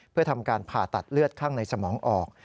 เพื่อทำการผ่าตัดเลือดข้างในสมองออก